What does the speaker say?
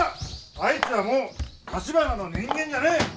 あいつはもう橘の人間じゃねえ。